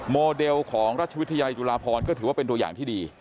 โมเดลของราชวิทยาลัยจุฬาพรก็ถือว่าเป็นตัวอย่างที่ดี